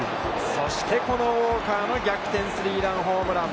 そして、このウォーカーの逆転スリーランホームラン。